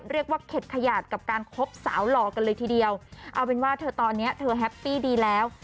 เรียกว่าเข็ดขยาดกับการคบสาวหล่อกันเลยทีเดียวเอาเป็นว่าเธอตอนนี้เธอแฮปปี้ดีแล้ว